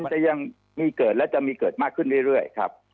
จะยังมีเกิดและจะมีเกิดมากขึ้นเรื่อยครับ